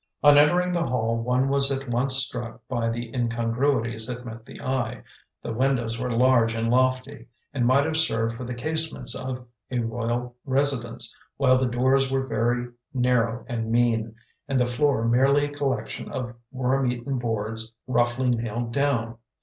On entering the hall one was at once struck by the incongruities that met the eye; the windows were large and lofty, and might have served for the casements of a royal residence, while the doors were very narrow and mean, and the floor merely a collection of worm eaten boards roughly nailed down.